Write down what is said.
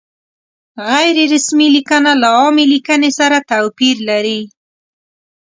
غیر رسمي لیکنه له عامې لیکنې سره توپیر لري.